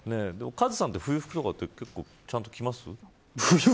カズさんは冬服とかってちゃんと着ますか。